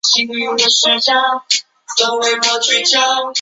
裴处休又有孙乡贡进士裴岩。